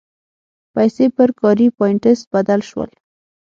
پیسې پر کاري پاینټس بدل شول.